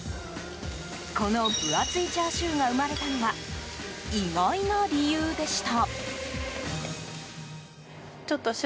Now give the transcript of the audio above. この分厚いチャーシューが生まれたのは意外な理由でした。